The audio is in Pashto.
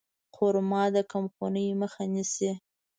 خرما د کمخونۍ مخه نیسي.